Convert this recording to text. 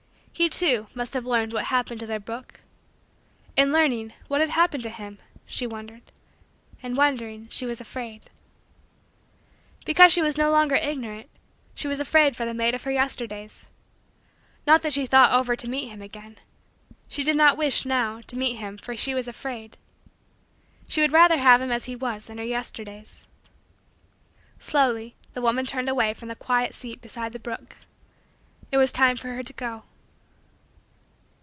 He, too, must have learned what happened to their brook. In learning, what had happened to him she wondered and wondering, she was afraid. Because she was no longer ignorant, she was afraid for the mate of her Yesterdays. Not that she thought over to meet him again. She did not wish, now, to meet him for she was afraid. She would rather have him as he was in her Yesterdays. Slowly the woman turned away from the quiet seat beside the brook. It was time for her to go.